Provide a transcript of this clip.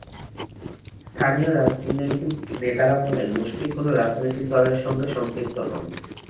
স্থানীয় রাজনৈতিক নেতারা বলেন, মুশফিক কোনো রাজনৈতিক দলের সঙ্গে সম্পৃক্ত নন।